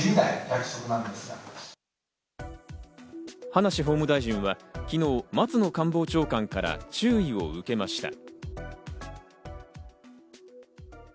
葉梨法務大臣は昨日、松野官房長官から注意を受けました。